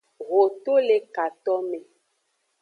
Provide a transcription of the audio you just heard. Ho to le katome.